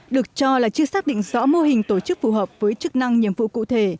được cho là chưa xác định rõ mô hình tổ chức phù hợp với chức năng nhiệm vụ cụ thể